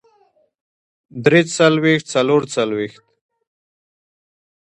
درې څلوېښت څلور څلوېښت